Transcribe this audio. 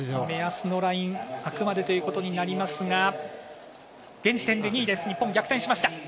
目安のライン、あくまでということになりますが、現時点で２位です、日本逆転しました。